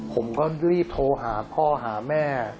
ผมก็รีบโทรหาพ่อหาแม่